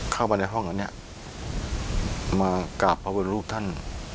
เข้ามาในห้องอันนี้มากราบพระพุทธรูปท่าน